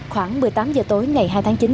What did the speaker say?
khoảng một mươi tám h tối ngày hai tháng chín